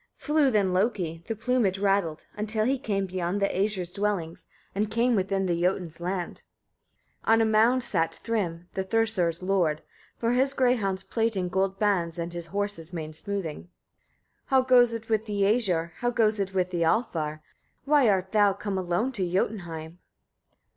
5. Flew then Loki the plumage rattled until he came beyond the Æsir's dwellings, and came within the Jotun's land. 6. On a mound sat Thrym, the Thursar's lord, for his greyhounds plaiting gold bands and his horses' manes smoothing. 7. "How goes it with the Æsir? How goes it with the Alfar? Why art thou come alone to Jotunheim?"